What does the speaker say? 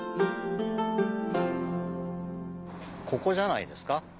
ここじゃないですか？